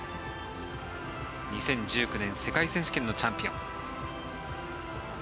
２０１９年世界選手権のチャンピオン。